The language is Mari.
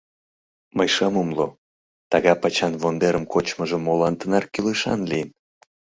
Мый шым умыло, тага пачан вондерым кочмыжо молан тынар кӱлешан лийын?